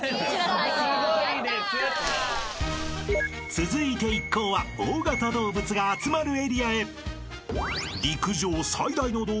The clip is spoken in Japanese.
［続いて一行は大型動物が集まるエリアへ］